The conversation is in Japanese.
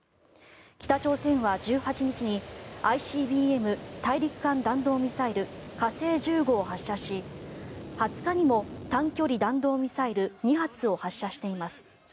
北朝鮮は１８日にＩＣＢＭ・大陸間弾道ミサイル火星１５を発射し２０日にも短距離弾道ミサイル２発を発射しています。